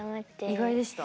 意外でした？